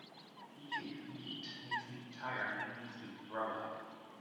Eating meat makes me tired and makes me throw up.